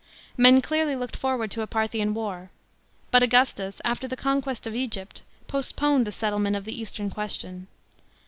"§ Men clearly looked forward to a Parthian war. But Augustus, after the conquest of Egypt, postponed the settlement of the Eastern question.